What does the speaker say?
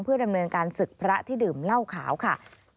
ดำเนินการศึกพระที่ดื่มเหล้าขาวค่ะ